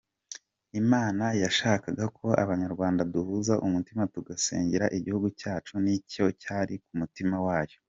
Imana yashakaga ko Abanyarwanda duhuza umutima tugasengera igihugu cyacu, nicyo cyari ku mutima wayo.